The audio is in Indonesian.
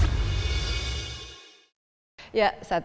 saat ini saya sedang berada di kantor gubernur daerah istimewa yogyakarta